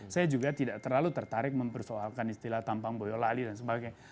saya juga tidak terlalu tertarik mempersoalkan istilah tampang boyolali dan sebagainya